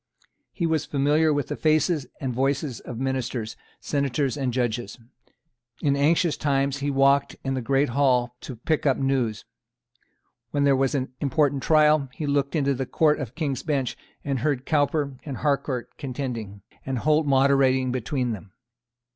He was familiar with the faces and voices of ministers, senators and judges. In anxious times he walked in the great Hall to pick up news. When there was an important trial, he looked into the Court of King's Bench, and heard Cowper and Harcourt contending, and Holt moderating between them.